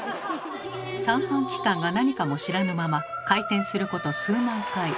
三半規管が何かも知らぬまま回転すること数万回。